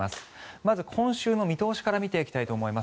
まず、今週の見通しから見ていきたいと思います。